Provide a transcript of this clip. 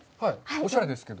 おしゃれですけど。